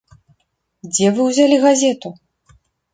Дзе вы ўзялі газету?